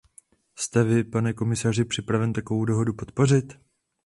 Jste vy, pane komisaři, připraven takovou dohodu podpořit?